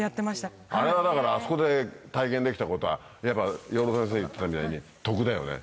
あれはだからあそこで体験できたことは養老先生言ってたみたいに得だよね。